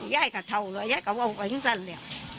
ยายก็เท่าเลยยายก็ออกไปถึงสั้นแล้ว